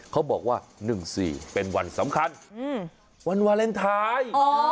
เขาบอกว่า๑๔เป็นวันสำคัญวันวาเลนไทย